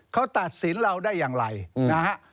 เขาตัดสินเราได้อย่างไรนะฮะ